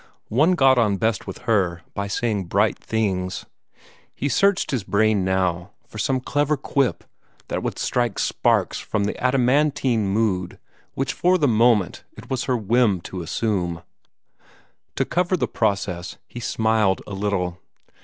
One got on best with her by saying bright things. He searched his brain now for some clever quip that would strike sparks from the adamantine mood which for the moment it was her whim to assume. To cover the process, he smiled a little.